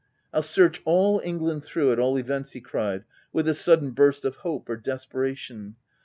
— I'll search all England through, at all events !' he cried, with a sudden burst of hope, or desperation.